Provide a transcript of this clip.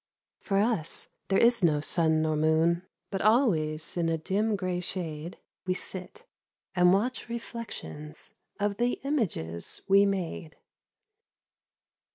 For us there is no sun nor moon, But always in a dim grey shade We sit, and watch reflections Of the images we made.